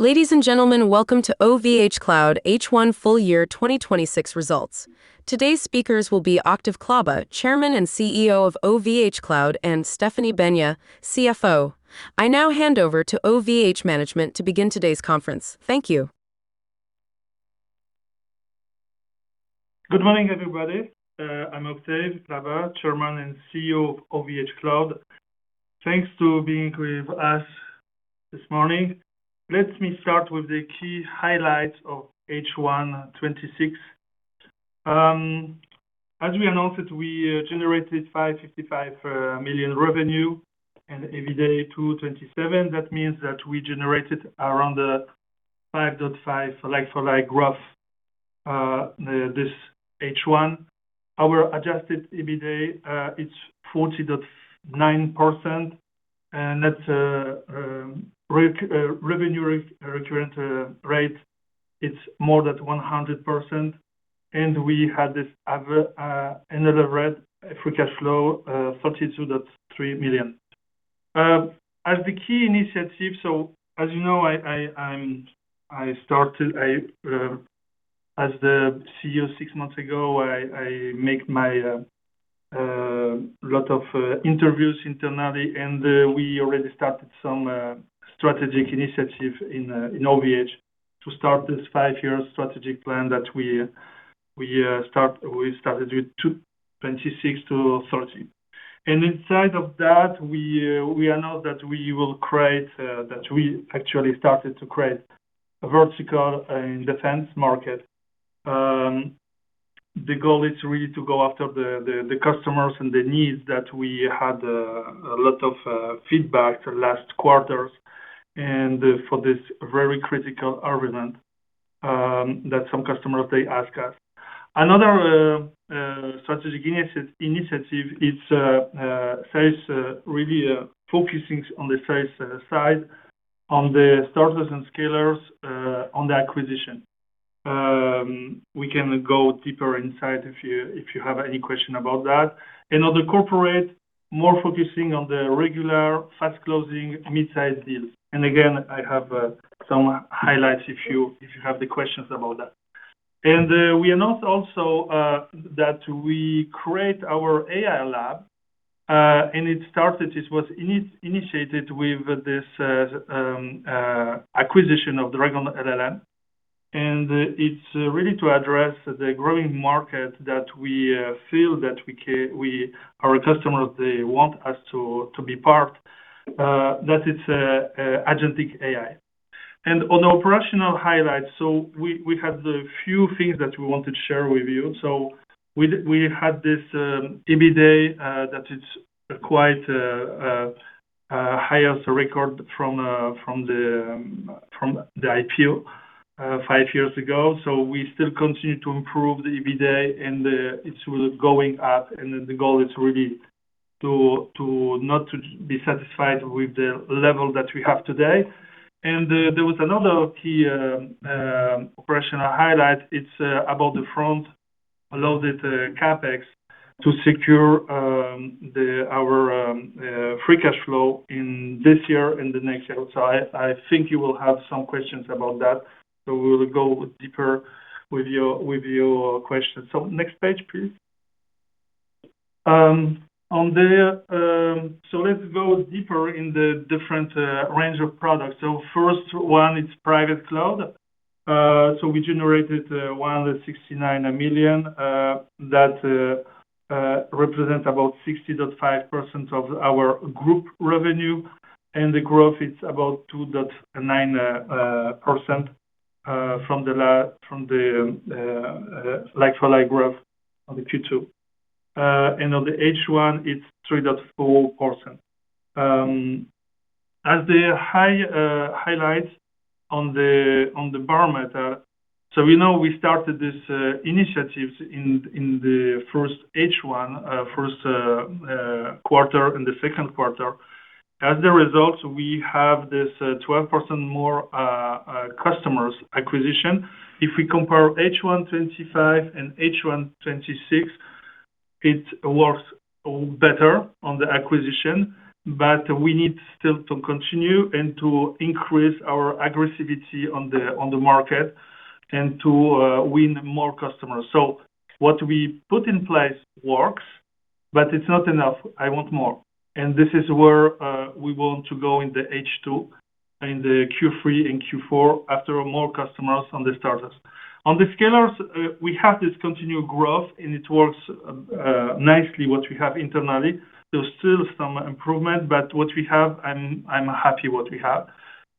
Ladies and gentlemen, welcome to OVHcloud H1 Full Year 2026 results. Today's speakers will be Octave Klaba, Chairman and CEO of OVHcloud, and Stéphanie Besnier, CFO. I now hand over to OVH management to begin today's conference. Thank you. Good morning, everybody. I'm Octave Klaba, Chairman and CEO of OVHcloud. Thanks for being with us this morning. Let me start with the key highlights of H1 2026. As we announced, we generated 555 million revenue and EBITDA 227 million. That means that we generated around the 5.5% like-for-like growth this H1. Our adjusted EBITDA, it's 40.9% and net revenue retention rate it's more than 100%. We had this unlevered free cash flow, 32.3 million. The key initiative, as you know, I started as the CEO six months ago. I made a lot of interviews internally, and we already started some strategic initiative in OVH to start this five-year strategic plan that we started with 2026 to 2030. Inside of that, we announce that we will create, that we actually started to create a vertical in defense market. The goal is really to go after the customers and the needs that we had a lot of feedback the last quarters and for this very critical element that some customers they ask us. Another strategic initiative is sales, really focusing on the sales side, on the starters and scalers, on the acquisition. We can go deeper inside if you have any question about that. On the corporate, more focusing on the regular fast closing mid-size deals. Again, I have some highlights if you have the questions about that. We announce also that we create our AI lab, and it started, it was initiated with this acquisition of Dragon LLM, and it's really to address the growing market that we feel that our customers, they want us to be part, that it's agentic AI. On operational highlights, we had a few things that we wanted to share with you. We had this EBITDA that's the highest record from the IPO five years ago. We still continue to improve the EBITDA and it will go up. The goal is really not to be satisfied with the level that we have today. There was another key operational highlight. It's about the front-loaded CapEx to secure our free cash flow in this year and the next year. I think you will have some questions about that, so we will go deeper with your questions. Next page, please. Let's go deeper in the different range of products. First one is Private Cloud. We generated 169 million. That represents about 60.5% of our Group revenue. The growth is about 2.9% from the like-for-like growth on the Q2. On the H1 it's 3.4%. As the highlight on the barometer, we know we started these initiatives in the first H1, first quarter and the second quarter. As a result, we have this 12% more customer acquisition. If we compare H1 2025 and H1 2026, it works better on the acquisition. We need still to continue and to increase our aggressivity on the market and to win more customers. What we put in place works, but it's not enough. I want more. This is where we want to go in the H2, in the Q3 and Q4, acquire more customers on the starters. On the scalers, we have this continued growth and it works nicely with what we have internally. There's still some improvement, but what we have, I'm happy with what we have.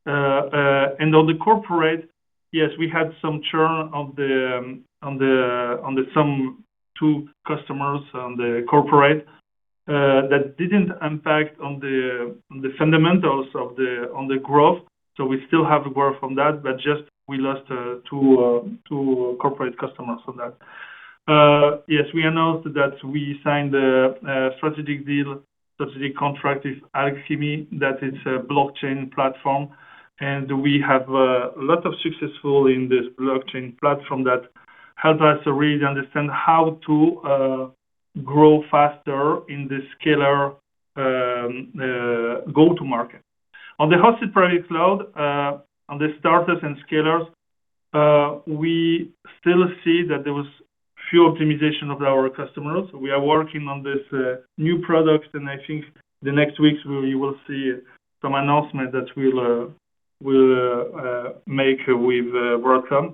On the corporate, yes, we had some churn on some two customers on the corporate that didn't impact on the fundamentals on the growth. We still have work from that. Just we lost two corporate customers on that. Yes, we announced that we signed a strategic deal, strategic contract with Alchemy, that is a blockchain platform, and we have a lot of success in this blockchain platform that help us to really understand how to grow faster in the scalable go-to-market. On the Hosted Private Cloud, on the starters and scalers, we still see that there was a few optimizations of our customers. We are working on this new product, and I think the next weeks we will see some announcement that we'll make with Broadcom.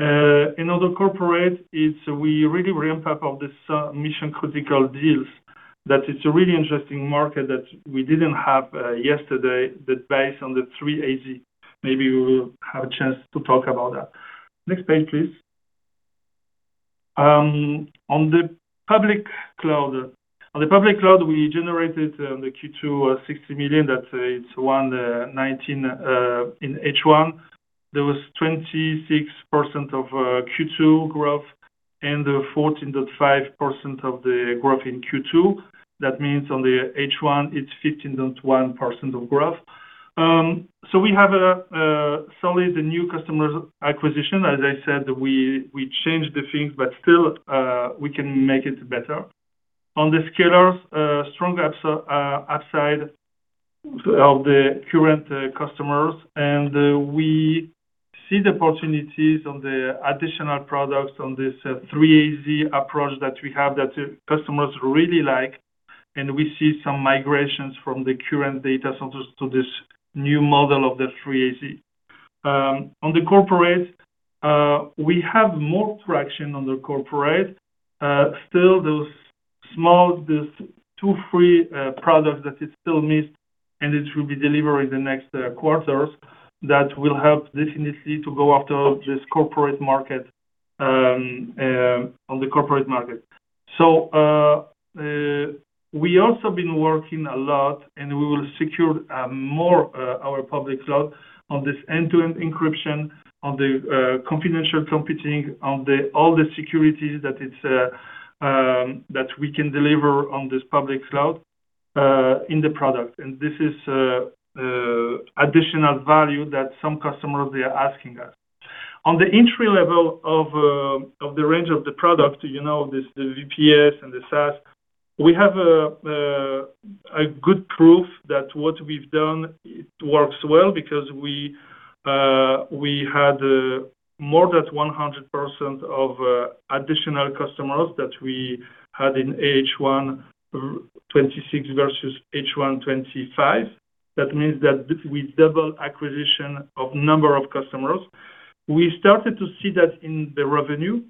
In other corporate, we really ramp up of this mission-critical deals. That's a really interesting market that we didn't have yesterday that's based on the 3-AZ. Maybe we will have a chance to talk about that. Next page, please. On the Public Cloud, we generated in Q2 60 million. That's 119 million in H1. There was 26% Q2 growth and 14.5% growth in Q2. That means in H1, it's 15.1% growth. We have a solid new customers acquisition. As I said, we changed the things, but still, we can make it better. On the scalers, strong upside of the current customers, and we see the opportunities in the additional products in this 3-AZ approach that we have that customers really like, and we see some migrations from the current data centers to this new model of the 3-AZ. On the corporate, we have more traction in the corporate. Still, those small, those two free products that is still missed, and it will be delivered in the next quarters. That will help definitely to go after this corporate market, on the corporate market. We also been working a lot, and we will secure more our Public Cloud on this end-to-end encryption, on the confidential computing, on all the securities that we can deliver on this Public Cloud, in the product. This is additional value that some customers they are asking us. On the entry level of the range of the product, this VPS and the SaaS, we have a good proof that what we've done, it works well because we had more than 100% of additional customers that we had in H1 2026 versus H1 2025. That means that we double acquisition of number of customers. We started to see that in the revenue,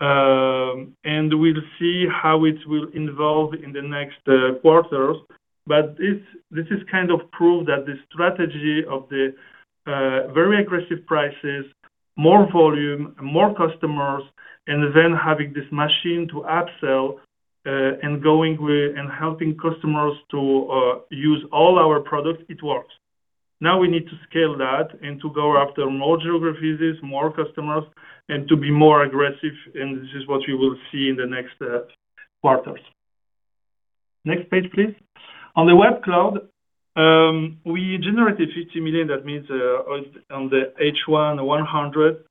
and we'll see how it will evolve in the next quarters. This is kind of proof that the strategy of the very aggressive prices, more volume, more customers, and then having this machine to upsell, and going with and helping customers to use all our products, it works. Now we need to scale that and to go after more geographies, more customers, and to be more aggressive, and this is what you will see in the next quarters. Next page, please. On the Web Cloud, we generated 50 million. That means on the H1, 100 million.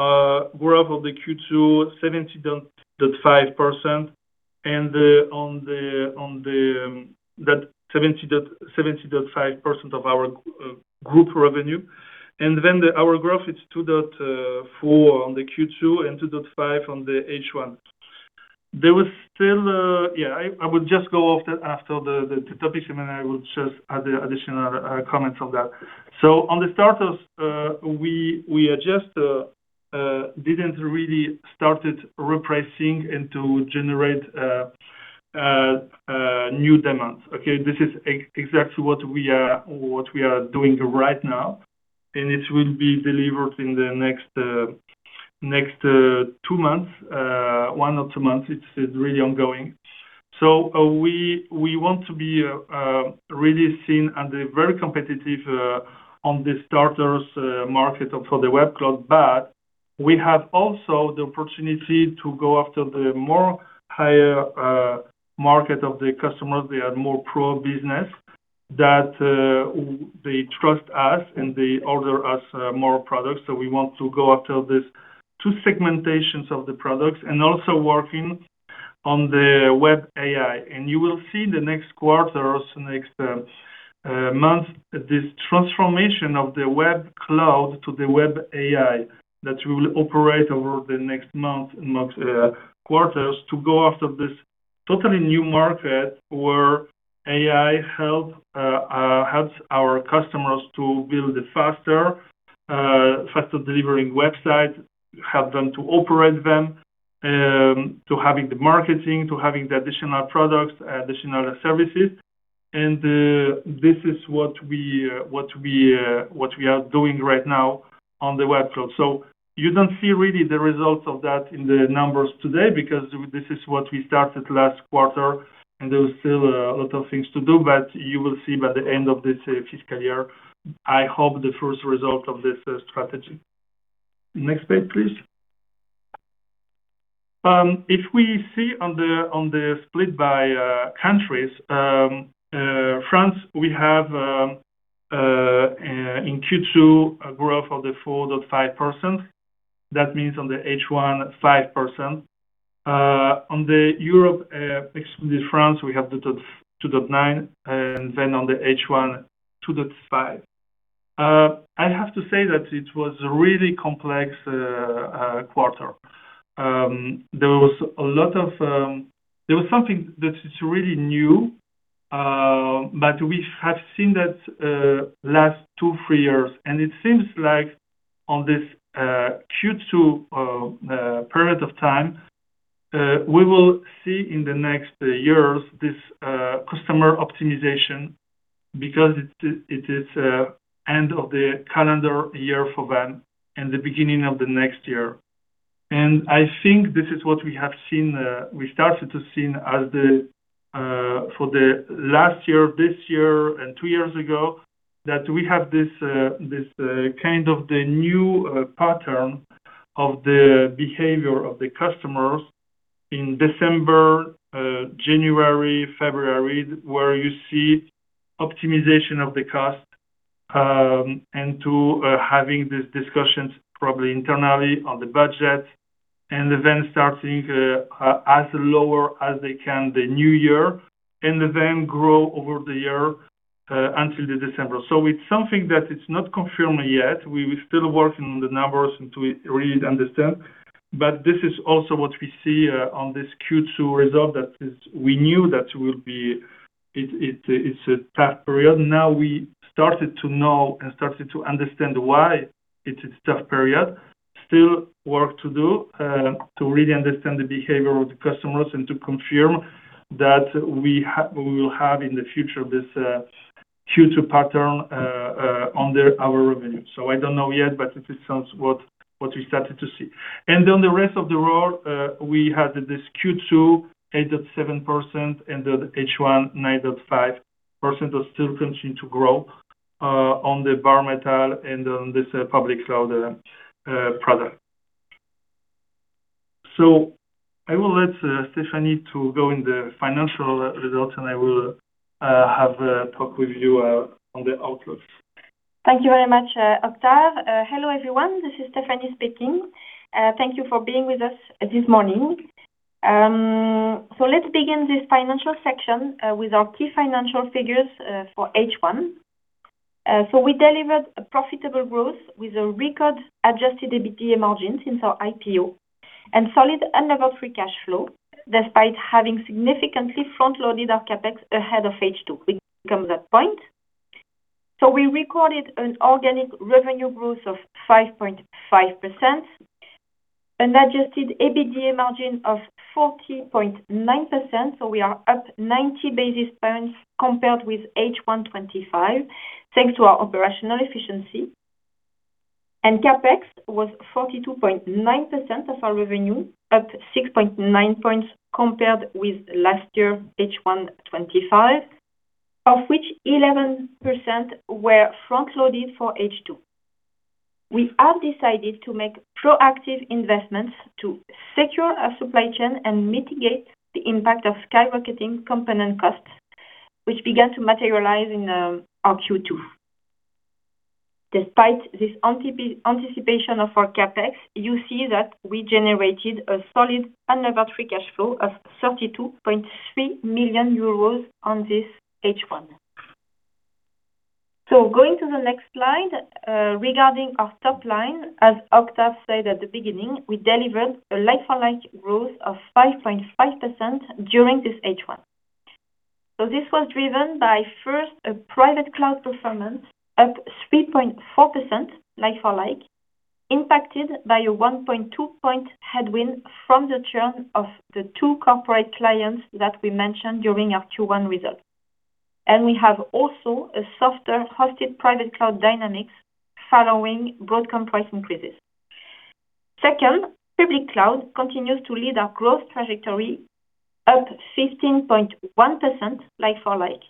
Growth of the Q2, 70.5%. And on the 70.5% of our Group revenue. And then our growth is 2.4% on the Q2 and 2.5% on the H1. Yeah, I would just go after the topic, and then I would just add the additional comments on that. On the starters, we just didn't really started repricing and to generate new demands. Okay? This is exactly what we are doing right now, and it will be delivered in the next two months, one or two months. It's really ongoing. We want to be really seen and very competitive on the starters market for the Web Cloud, but we have also the opportunity to go after the more higher market of the customers. They are more pro business. That they trust us, and they order us more products. We want to go after these two segmentations of the products and also working on the Web AI. You will see the next quarters, next months, this transformation of the Web Cloud to the Web AI that we will operate over the next months and quarters to go after this totally new market where AI helps our customers to build faster delivering websites, help them to operate them, to having the marketing, to having the additional products, additional services. This is what we are doing right now on the Web Cloud. You don't see really the results of that in the numbers today because this is what we started last quarter, and there is still a lot of things to do, but you will see by the end of this fiscal year, I hope, the first result of this strategy. Next page, please. If we see on the split by countries, France, we have, in Q2, a growth of 4.5%. That means on the H1, 5%. On Europe, excluding France, we have the 2.9%, and then on the H1, 2.5%. I have to say that it was a really complex quarter. There was something that is really new, but we have seen that last two, three years, and it seems like on this Q2 period of time, we will see in the next years this customer optimization because it is end of the calendar year for them and the beginning of the next year. I think this is what we have started to see for the last year, this year and two years ago, that we have this kind of new pattern of the behavior of the customers in December, January, February, where you see optimization of the cost and to having these discussions probably internally on the budget. Then starting as low as they can in the New Year, and then grow over the year until December. It's something that's not confirmed yet. We're still working on the numbers and to really understand. This is also what we see in this Q2 result. That is, we knew that it's a tough period. Now we started to know and started to understand why it's a tough period. Still work to do to really understand the behavior of the customers and to confirm that we will have in the future this Q2 pattern in our revenue. I don't know yet, but it is what we started to see. On the rest of the world, we had this Q2 8.7% and the H1 9.5% growth still continuing to grow on the Bare Metal and on this Public Cloud product. I will let Stéphanie to go in the financial results, and I will have a talk with you on the outlook. Thank you very much, Octave. Hello, everyone. This is Stéphanie speaking. Thank you for being with us this morning. Let's begin this financial section with our key financial figures for H1. We delivered a profitable growth with a record adjusted EBITDA margin since our IPO, and solid unlevered free cash flow, despite having significantly front-loaded our CapEx ahead of H2. We come to that point. We recorded an organic revenue growth of 5.5%, an adjusted EBITDA margin of 40.9%, so we are up 90 basis points compared with H1 2025, thanks to our operational efficiency. CapEx was 42.9% of our revenue, up 6.9 points compared with last year, H1 2025, of which 11% were front-loaded for H2. We have decided to make proactive investments to secure our supply chain and mitigate the impact of skyrocketing component costs, which began to materialize in our Q2. Despite this anticipation of our CapEx, you see that we generated a solid unlevered free cash flow of 32.3 million euros on this H1. Going to the next slide, regarding our top line, as Octave said at the beginning, we delivered a like-for-like growth of 5.5% during this H1. This was driven by, first, a Private Cloud performance up 3.4%, like-for-like, impacted by a 1.2 point headwind from the churn of the two corporate clients that we mentioned during our Q1 results. We have also a softer Hosted Private Cloud dynamics following Broadcom price increases. Second, Public Cloud continues to lead our growth trajectory up 15.1%, like-for-like,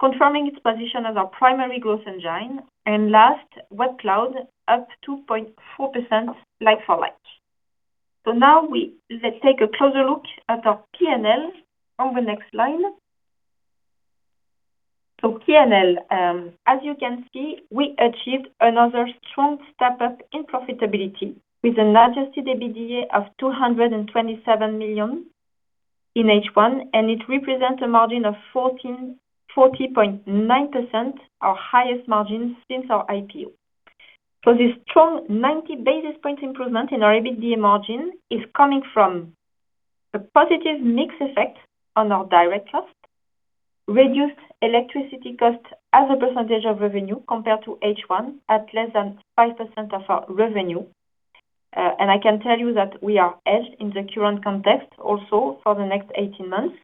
confirming its position as our primary growth engine, and last, Web Cloud up 2.4%, like-for-like. Now let's take a closer look at our P&L on the next slide. P&L. As you can see, we achieved another strong step up in profitability with an adjusted EBITDA of 227 million in H1, and it represents a margin of 40.9%, our highest margin since our IPO. This strong 90 basis point improvement in our EBITDA margin is coming from a positive mix effect on our direct cost, reduced electricity cost as a percentage of revenue compared to H1 at less than 5% of our revenue. I can tell you that we are hedged in the current context also for the next 18 months.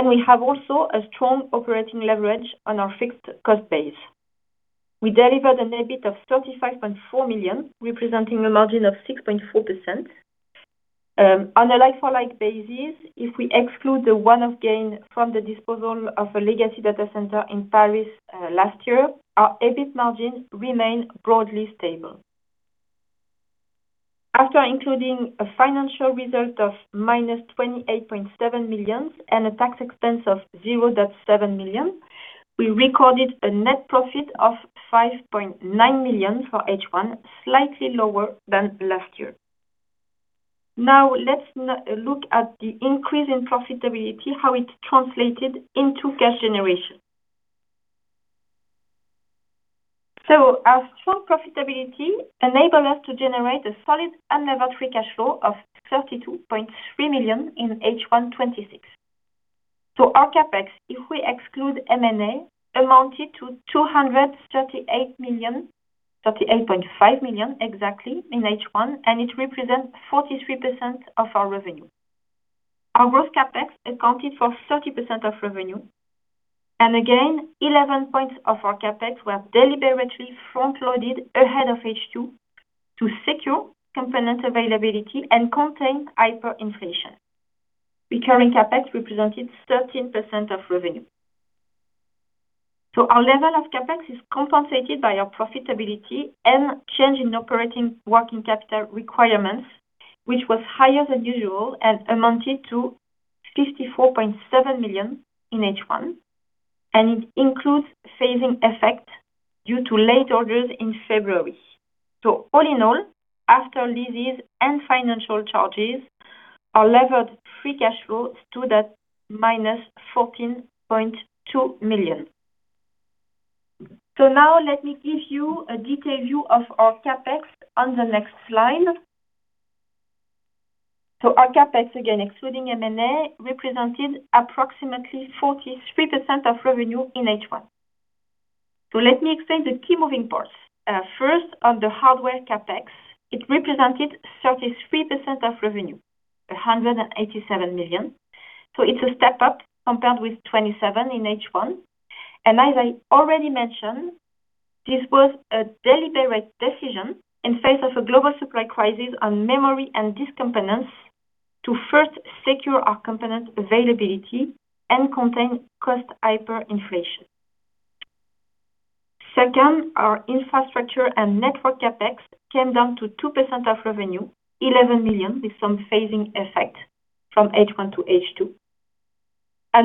We have also a strong operating leverage on our fixed cost base. We delivered an EBIT of 35.4 million, representing a margin of 6.4%. On a like-for-like basis, if we exclude the one-off gain from the disposal of a legacy data center in Paris last year, our EBIT margins remain broadly stable. After including a financial result of -28.7 million and a tax expense of 0.7 million, we recorded a net profit of 5.9 million for H1, slightly lower than last year. Now let's look at the increase in profitability, how it translated into cash generation. Our strong profitability enabled us to generate a solid unlevered free cash flow of 32.3 million in H1 2026. Our CapEx, if we exclude M&A, amounted to 238 million, 238.5 million exactly, in H1, and it represents 43% of our revenue. Our growth CapEx accounted for 30% of revenue, and again, 11 points of our CapEx were deliberately front-loaded ahead of H2 to secure component availability and contain hyperinflation. Recurring CapEx represented 13% of revenue. Our level of CapEx is compensated by our profitability and change in operating working capital requirements, which was higher than usual and amounted to 54.7 million in H1. It includes phasing effect due to late orders in February. All in all, after leases and financial charges, our levered free cash flow stood at -14.2 million. Now let me give you a detailed view of our CapEx on the next slide. Our CapEx, again, excluding M&A, represented approximately 43% of revenue in H1. Let me explain the key moving parts. First, on the hardware CapEx, it represented 33% of revenue, 187 million. It's a step up compared with 27% in H1. As I already mentioned, this was a deliberate decision in face of a global supply crisis on memory and disk components to first secure our component availability and contain cost hyperinflation. Second, our infrastructure and network CapEx came down to 2% of revenue, 11 million, with some phasing effect from H1 to H2.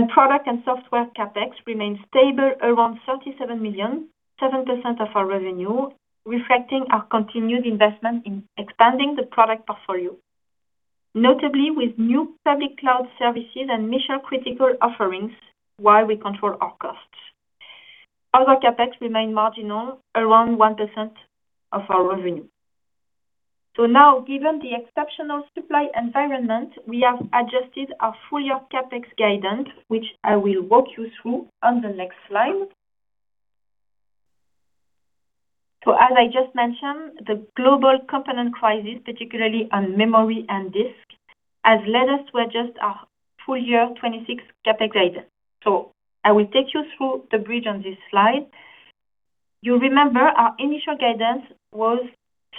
Product and software CapEx remained stable around 37 million, 7% of our revenue, reflecting our continued investment in expanding the product portfolio, notably with new Public Cloud services and mission-critical offerings while we control our costs. Other CapEx remained marginal, around 1% of our revenue. Now, given the exceptional supply environment, we have adjusted our full-year CapEx guidance, which I will walk you through on the next slide. As I just mentioned, the global component crisis, particularly on memory and disk, has led us to adjust our full-year 2026 CapEx guidance. I will take you through the bridge on this slide. You remember our initial guidance was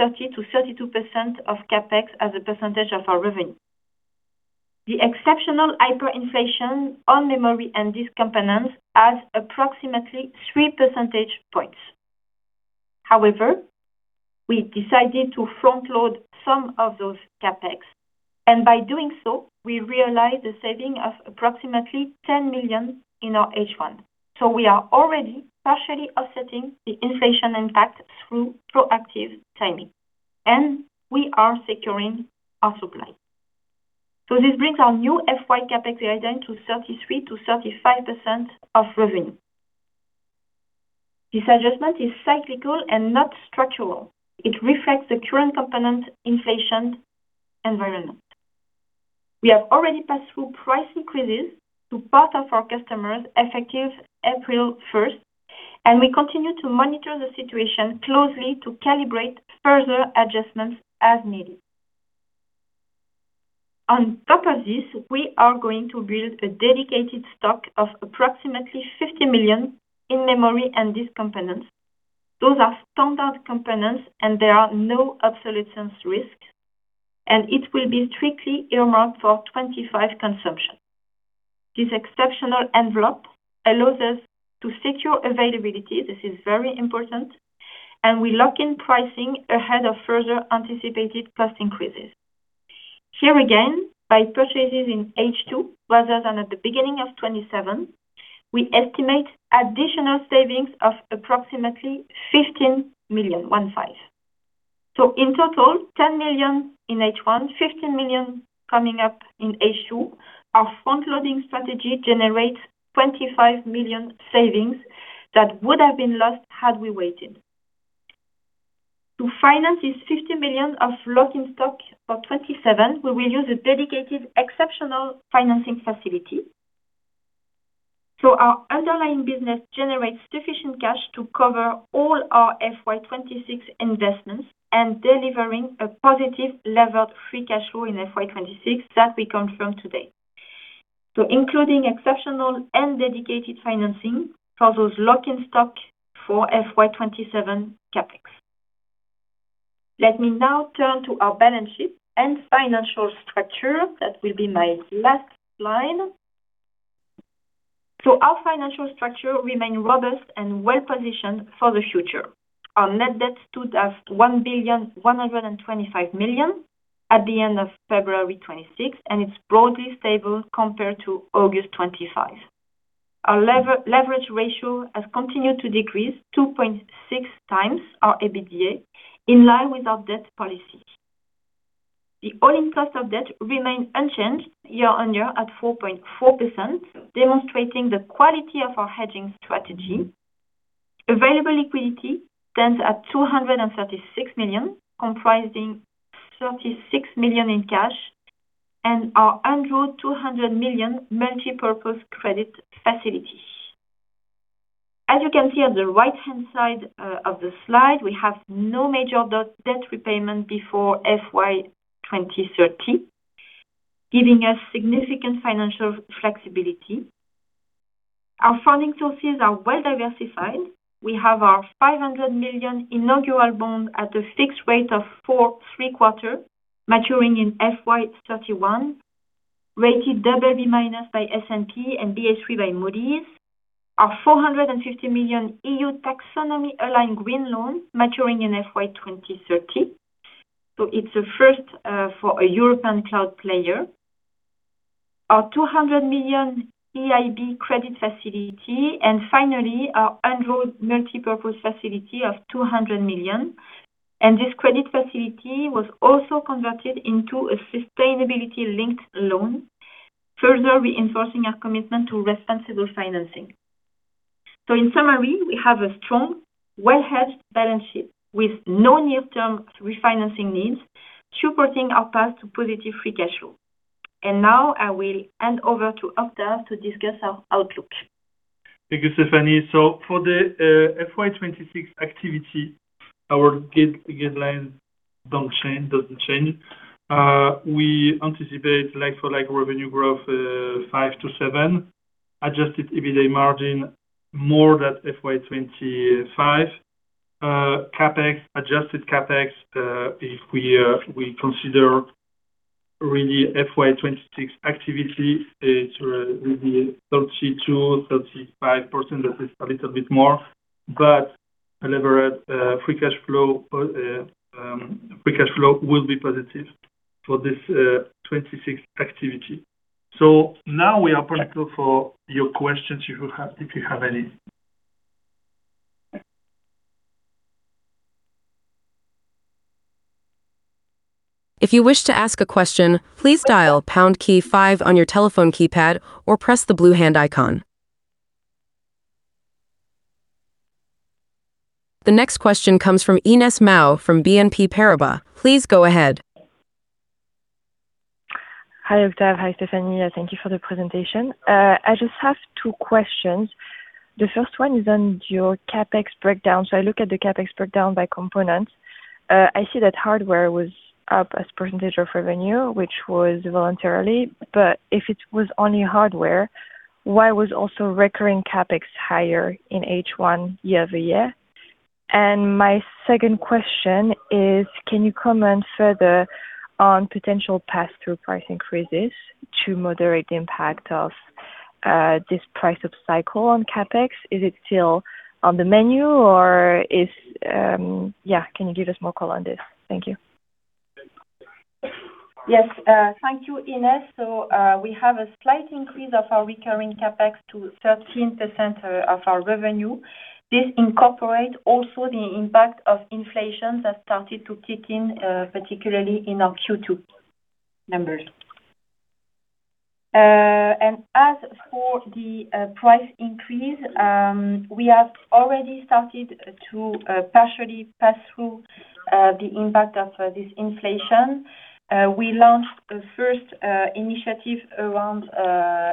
30%-32% of CapEx as a percentage of our revenue. The exceptional hyperinflation on memory and disk components adds approximately 3 percentage points. However, we decided to front-load some of those CapEx, and by doing so, we realized a saving of approximately 10 million in our H1. We are already partially offsetting the inflation impact through proactive timing, and we are securing our supply. This brings our new FY CapEx guidance to 33%-35% of revenue. This adjustment is cyclical and not structural. It reflects the current component inflation environment. We have already passed through price increases to part of our customers effective April 1st, and we continue to monitor the situation closely to calibrate further adjustments as needed. On top of this, we are going to build a dedicated stock of approximately 50 million in memory and disk components. Those are standard components and there are no obsolescence risk, and it will be strictly earmarked for 2025 consumption. This exceptional envelope allows us to secure availability. This is very important, and we lock in pricing ahead of further anticipated cost increases. Here again, by purchases in H2 rather than at the beginning of 2027, we estimate additional savings of approximately 15 million. In total, 10 million in H1, 15 million coming up in H2. Our front-loading strategy generates 25 million savings that would have been lost had we waited. To finance this 50 million of lock-in stock for 2027, we will use a dedicated exceptional financing facility. Our underlying business generates sufficient cash to cover all our FY 2026 investments and delivering a positive levered free cash flow in FY 2026 that we confirm today. Including exceptional and dedicated financing for those lock-in stock for FY 2027 CapEx. Let me now turn to our balance sheet and financial structure. That will be my last slide. Our financial structure remains robust and well-positioned for the future. Our net debt stood at 1,125,000,000 at the end of February 2026, and it's broadly stable compared to August 2025. Our leverage ratio has continued to decrease 2.6x our EBITDA, in line with our debt policy. The all-in cost of debt remained unchanged year on year at 4.4%, demonstrating the quality of our hedging strategy. Available liquidity stands at 236 million, comprising 36 million in cash and our undrawn 200 million multipurpose credit facility. As you can see on the right-hand side of the slide, we have no major debt repayment before FY 2030, giving us significant financial flexibility. Our funding sources are well diversified. We have our 500 million inaugural bond at a fixed rate of 4.75%, maturing in FY 2031, rated BB- by S&P and Ba3 by Moody's. Our 450 million EU taxonomy aligned green loan maturing in FY 2030. It's a first for a European cloud player. Our 200 million EIB credit facility, and finally, our undrawn multipurpose facility of 200 million, and this credit facility was also converted into a sustainability-linked loan, further reinforcing our commitment to responsible financing. In summary, we have a strong, well-hedged balance sheet with no near-term refinancing needs, supporting our path to positive free cash flow. Now I will hand over to Octave to discuss our outlook. Thank you, Stéphanie. For the FY 2026 activity, our guidelines doesn't change. We anticipate like-for-like revenue growth 5%-7%, adjusted EBITDA margin more than FY 2025. CapEx, adjusted CapEx, if we consider really FY 2026 activity, it will be 32%-35%. That is a little bit more. Levered free cash flow will be positive for this FY 2026 activity. Now we are ready for your questions if you have any. If you wish to ask a question, please dial pound key five on your telephone keypad or press the blue hand icon. The next question comes from Inès Mao from BNP Paribas. Please go ahead. Hi, Octave. Hi, Stéphanie. Thank you for the presentation. I just have two questions. The first one is on your CapEx breakdown. I look at the CapEx breakdown by components. I see that hardware was up as percentage of revenue, which was voluntary, but if it was only hardware, why was also recurring CapEx higher in H1 year-over-year? My second question is, can you comment further on potential pass-through price increases to moderate the impact of this pricing cycle on CapEx? Is it still on the menu or yeah, can you give us more color on this? Thank you. Yes. Thank you, Inès. We have a slight increase of our recurring CapEx to 13% of our revenue. This incorporates also the impact of inflation that started to kick in, particularly in our Q2 numbers. As for the price increase, we have already started to partially pass through the impact of this inflation. We launched the first initiative around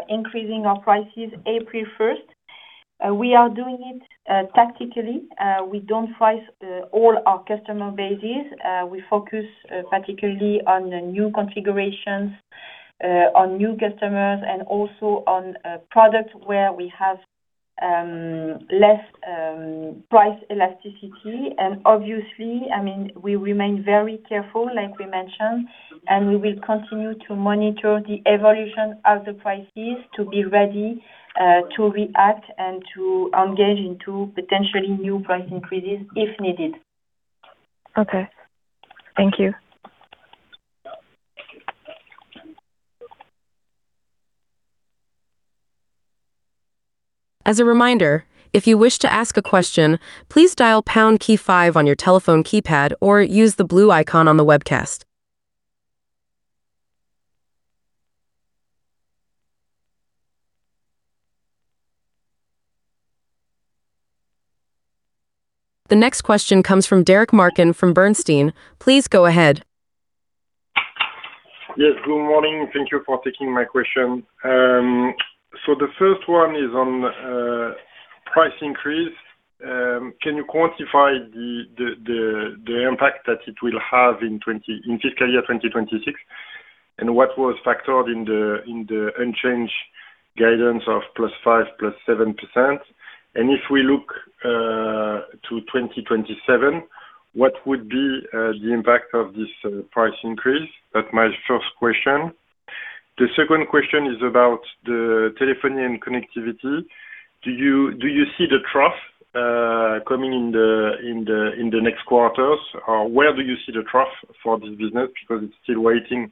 increasing our prices April 1st. We are doing it tactically. We don't price all our customer bases. We focus particularly on the new configurations, on new customers, and also on products where we have less price elasticity. Obviously, we remain very careful, like we mentioned, and we will continue to monitor the evolution of the prices to be ready to react and to engage into potentially new price increases if needed. Okay. Thank you. As a reminder, if you wish to ask a question, please dial pound key five on your telephone keypad or use the blue icon on the webcast. The next question comes from Derric Marcon from Bernstein. Please go ahead. Yes, good morning. Thank you for taking my question. The first one is on price increase. Can you quantify the impact that it will have in fiscal year 2026? What was factored in the unchanged guidance of +5%, +7%? If we look to 2027, what would be the impact of this price increase? That's my first question. The second question is about the telephony and connectivity. Do you see the trough coming in the next quarters? Or where do you see the trough for this business? Because it's still waiting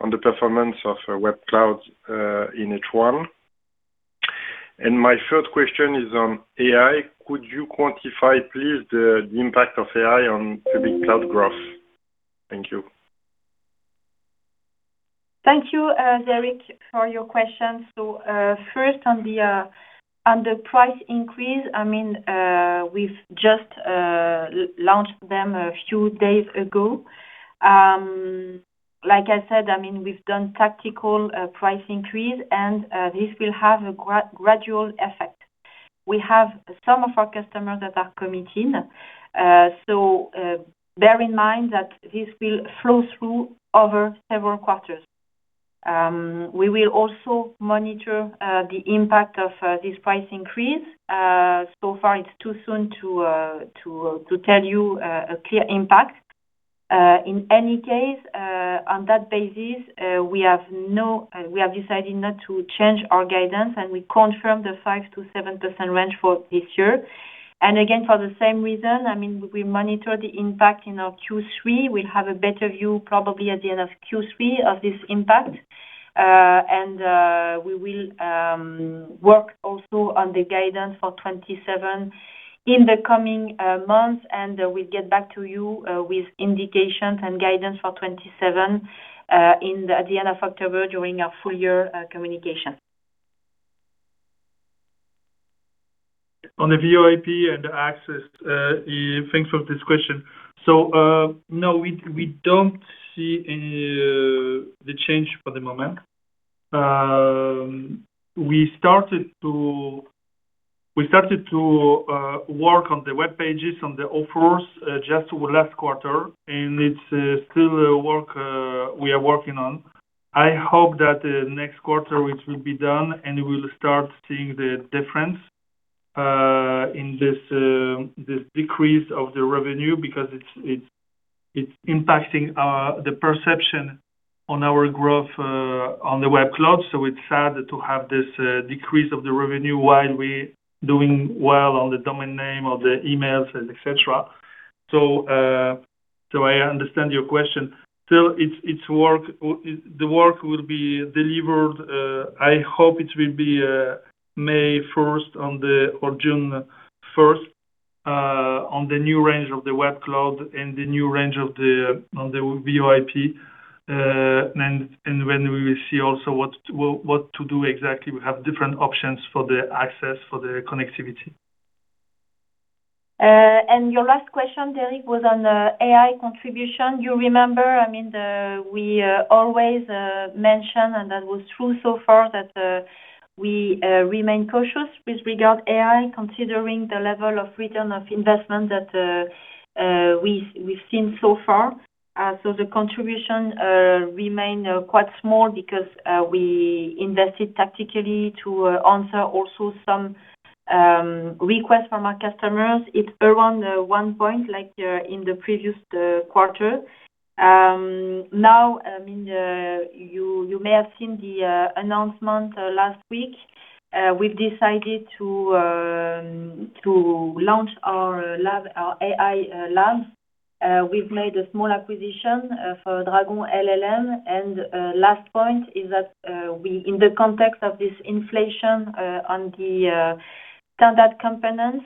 on the performance of Web Cloud in H1. My third question is on AI. Could you quantify, please, the impact of AI on the Public Cloud growth? Thank you. Thank you, Derric, for your question. First on the price increase, we've just launched them a few days ago. Like I said, we've done tactical price increase, and this will have a gradual effect. We have some of our customers that are committing. Bear in mind that this will flow through over several quarters. We will also monitor the impact of this price increase. So far it's too soon to tell you a clear impact. In any case, on that basis, we have decided not to change our guidance, and we confirm the 5%-7% range for this year. Again, for the same reason, we monitor the impact in our Q3. We'll have a better view probably at the end of Q3 of this impact. We will work also on the guidance for 2027 in the coming months, and we'll get back to you with indications and guidance for 2027 at the end of October during our full year communication. On the VoIP and the access, thanks for this question. No, we don't see the change for the moment. We started to work on the web pages, on the offers, just last quarter, and it's still work we are working on. I hope that the next quarter, which will be done, and we'll start seeing the difference in this decrease of the revenue, because it's impacting the perception on our growth on the Web Cloud. It's sad to have this decrease of the revenue while we're doing well on the domain name or the emails, et cetera. I understand your question. Still, the work will be delivered, I hope it will be May 1st or June 1st on the new range of the Web Cloud and the new range on the VoIP. When we will see also what to do exactly, we have different options for the access for the connectivity. Your last question, Derric, was on the AI contribution. You remember, we always mention, and that was true so far that we remain cautious with regard to AI, considering the level of return on investment that we've seen so far. The contribution remain quite small because we invested tactically to answer also some requests from our customers. It's around 1 point, like in the previous quarter. Now, you may have seen the announcement last week. We've decided to launch our AI lab. We've made a small acquisition for Dragon LLM. Last point is that in the context of this inflation on the standard components,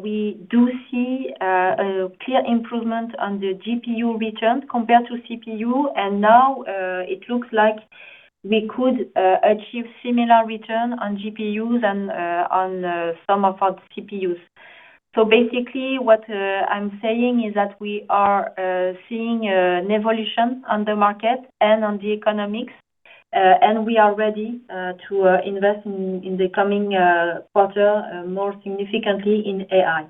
we do see a clear improvement on the GPU return compared to CPU. Now it looks like we could achieve similar return on GPUs and on some of our CPUs. Basically what I'm saying is that we are seeing an evolution on the market and on the economics, and we are ready to invest in the coming quarter more significantly in AI.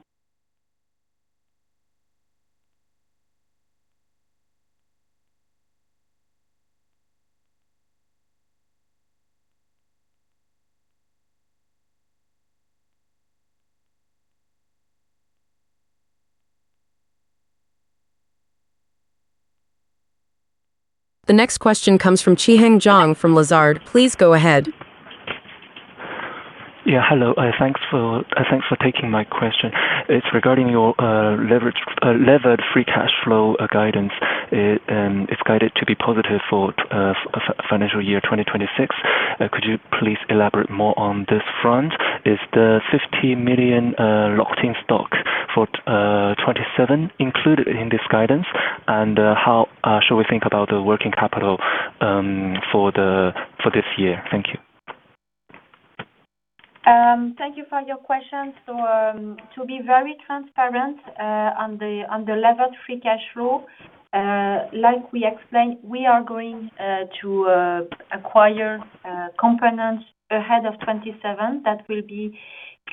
The next question comes from Qihang Zhang from Lazard. Please go ahead. Yeah. Hello, thanks for taking my question. It's regarding your levered free cash flow guidance. It's guided to be positive for financial year 2026. Could you please elaborate more on this front? Is the 50 million locked-in stock for 2027 included in this guidance? And how should we think about the working capital for this year? Thank you. Thank you for your question. To be very transparent on the levered free cash flow, like we explained, we are going to acquire components ahead of 2027 that will be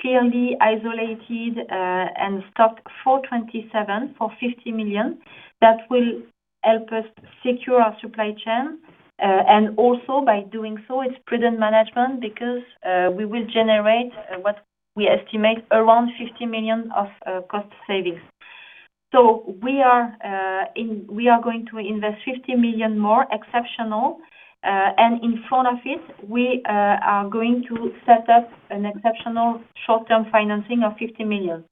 clearly isolated and stocked for 2027 for 50 million. That will help us secure our supply chain, and also by doing so, it's prudent management because we will generate what we estimate around 50 million of cost savings. We are going to invest 50 million more exceptional, and in front of it, we are going to set up an exceptional short-term financing of 50 million.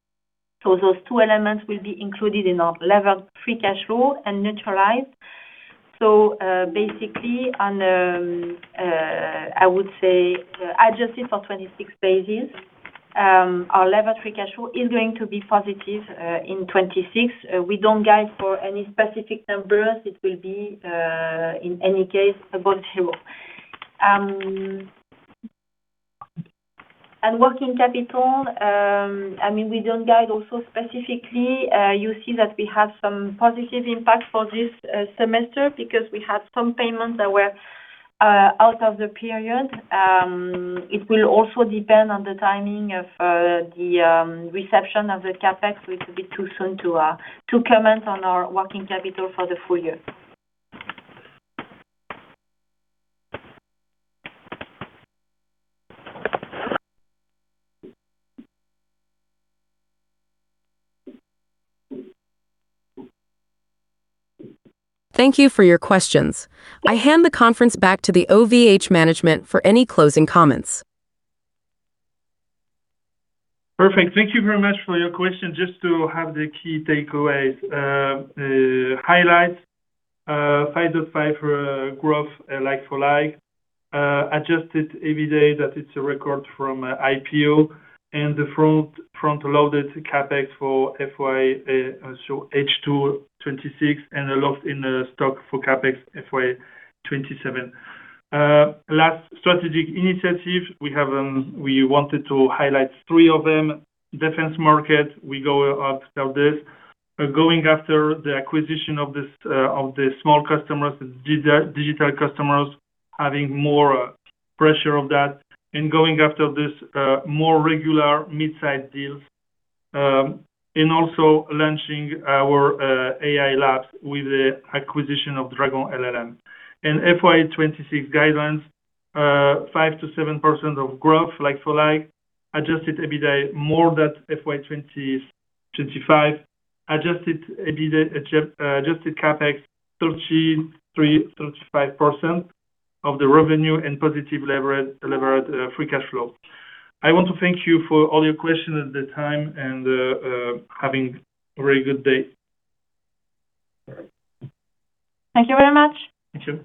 Those two elements will be included in our levered free cash flow and neutralized. Basically, on, I would say, adjusted for 2026 basis, our levered free cash flow is going to be positive in 2026. We don't guide for any specific numbers. It will be, in any case, about zero. Working capital, we don't guide also specifically. You see that we have some positive impact for this semester because we had some payments that were out of the period. It will also depend on the timing of the reception of the CapEx. We could be too soon to comment on our working capital for the full year. Thank you for your questions. I hand the conference back to the OVH management for any closing comments. Perfect. Thank you very much for your question. Just to have the key takeaways. Highlights, 5.5% growth like-for-like. Adjusted EBITDA, that it's a record from IPO and the front-loaded CapEx for FY H2 2026 and a locked in stock for CapEx FY 2027. Last, strategic initiative. We wanted to highlight three of them. Defense market, we go after this. Going after the acquisition of the small customers, digital customers, having more pressure of that and going after this more regular mid-size deals, and also launching our AI lab with the acquisition of Dragon LLM. FY 2026 guidelines, 5%-7% growth like-for-like. Adjusted EBITDA more than FY 2025. Adjusted CapEx, 33%-35% of the revenue and positive levered free cash flow. I want to thank you for all your questions at the time and have a very good day. Thank you very much. Thank you.